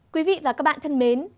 quý vị và các bạn thân mến